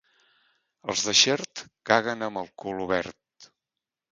Els de Xert, caguen amb el cul obert.